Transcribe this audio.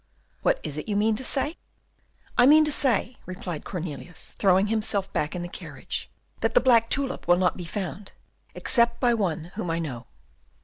"What is it you mean to say?" "I mean to say," replied Cornelius, throwing himself back in the carriage, "that the black tulip will not be found, except by one whom I know."